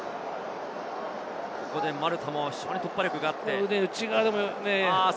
ここでマルタも非常に突破力があって。